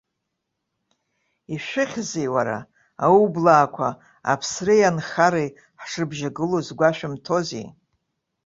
Ишәыхьзеи, уара, аублаақәа аԥсреи анхареи ҳашрыбжьагылоу згәашәымҭозеи?